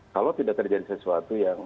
kalau tidak terjadi sesuatu yang